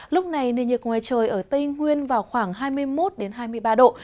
lúc này nền nhiệt ngoài trời ở tây nguyên vào khoảng hai mươi một hai mươi ba độ